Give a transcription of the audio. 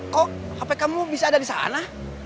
kok hp kamu bisa ada di sana